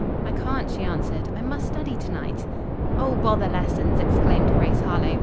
"I can't," she answered; "I must study to night." "Oh, bother lessons!" exclaimed Grace Harlowe.